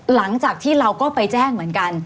หลังจากที่เราก็ไปแจ้งเหมือนกัน